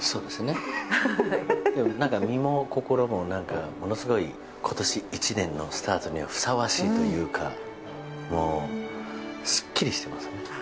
でもなんか身も心もものすごい今年１年のスタートにはふさわしいというかもうすっきりしてますね。